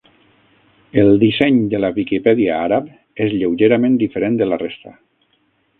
El disseny de la Viquipèdia àrab és lleugerament diferent de la resta.